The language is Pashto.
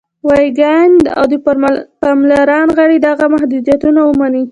ویګیان او د پارلمان غړي دغه محدودیتونه ومني.